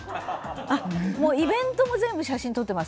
もうイベントも全部写真撮ってます。